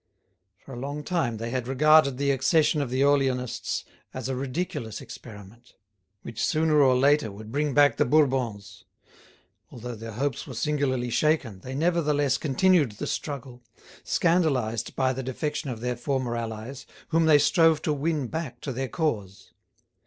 For a long time they had regarded the accession of the Orleanists as a ridiculous experiment, which sooner or later would bring back the Bourbons; although their hopes were singularly shaken, they nevertheless continued the struggle, scandalised by the defection of their former allies, whom they strove to win back to their cause.